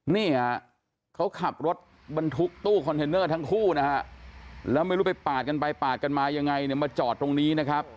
นี่ฮะเขาขับรถบรรทุกตู้คอนเทนเนอร์ทั้งคู่นะฮะแล้วไม่รู้ไปปาดกันไปปาดกันมายังไงเนี่ยมาจอดตรงนี้นะครับ